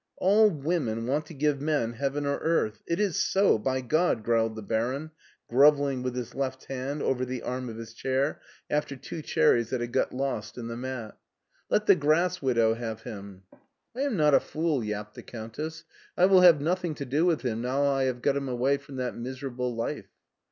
"All women want to give men heaven or earth. It is so, by God !" growled the Baron, grovelling with his left hand over the arm of his chair after two cher it it BERLIN 187 ries that had got lost in the mat. " Let the grass widow have him.'* " I am not a fool," yapped the Countess ;" I will have nothing to do with him now I have got him away from that miserable life."